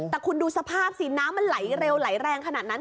แต่คุณดูสภาพสิน้ำมันไหลเร็วไหลแรงขนาดนั้น